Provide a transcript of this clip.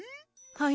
はい。